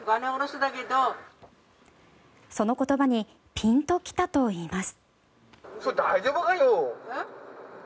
その言葉にピンと来たといいます。